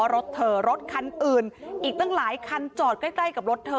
รถเธอรถคันอื่นอีกตั้งหลายคันจอดใกล้ใกล้กับรถเธอ